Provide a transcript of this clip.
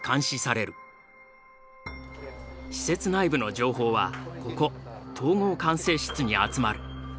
施設内部の情報はここ統合管制室に集まる。